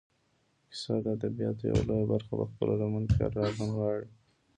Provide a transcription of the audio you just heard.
کیسه د ادبیاتو یوه لویه برخه په خپله لمن کې رانغاړي.